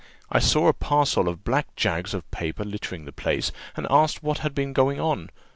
I saw a parcel of black jags of paper littering the place, and asked what had been going on?